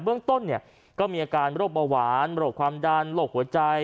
เรื่องต้นเนี่ยก็มีอาการโรคเบาหวานโรคความดันโรคหัวใจ